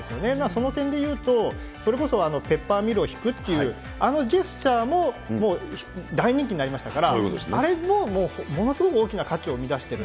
その点でいうと、それこそペッパーミルをひくっていう、あのジェスチャーも大人気になりましたから、あれももう、ものすごく大きな価値を生み出している。